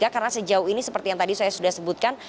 karena sejauh ini seperti yang tadi saya sudah sebutkan